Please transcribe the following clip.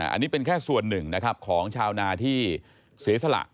อันนี้เป็นแค่ส่วนหนึ่งนะครับของชาวนาที่เสียสละ